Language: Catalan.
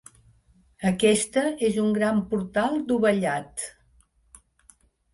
Aquesta és un gran portal dovellat.